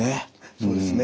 そうですね。